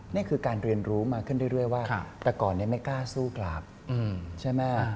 นี่คือการเรียนรู้มาขึ้นเรื่อยว่าแต่ก่อนไม่กล้าสู้กลับใช่ไหม